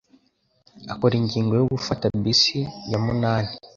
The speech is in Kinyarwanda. Akora ingingo yo gufata bisi ya munani.